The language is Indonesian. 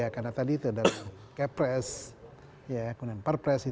karena tadi itu ada kepres kemudian perpres